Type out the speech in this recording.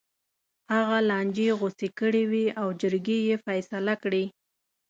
هغه لانجې غوڅې کړې وې او جرګې یې فیصله کړې.